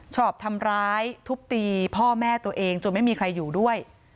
ชอบทำร้ายทุบตีพ่อแม่ตัวเองจนไม่มีใครอยู่ด้วย